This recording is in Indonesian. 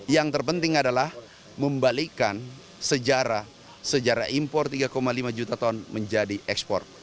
yang terpenting adalah membalikkan sejarah sejarah impor tiga lima juta ton menjadi ekspor